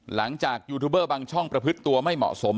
หลังจากยูทูบเบอร์บางช่องประพฤติตัวไม่เหมาะสม